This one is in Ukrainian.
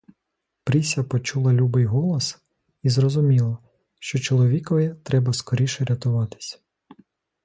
Пріся почула любий голос і зрозуміла, що чоловікові треба скоріше рятуватись.